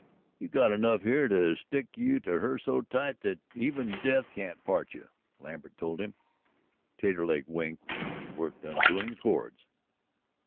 "You've got enough there to stick you to her so tight that even death can't part you," Lambert told him. Taterleg winked as he worked undoing the cords.